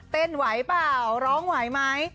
ไหวเปล่าร้องไหวไหม